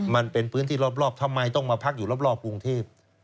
มันเป็นพื้นที่รอบทำไมต้องมาพักอยู่รอบกรุงเทพ